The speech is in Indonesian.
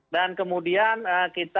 dan kemudian kita identifikasikan terkaitnya